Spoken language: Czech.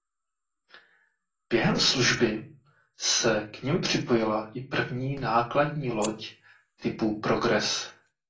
Během služby se k nim připojila i první nákladní loď typu Progress.